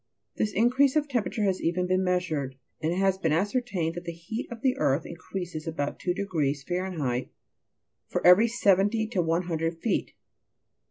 This increase of temperature has even been measured, and it has been ascer tained that the heat of the earth increases about two degrees, Faren heit, for every 70 to 100 feet.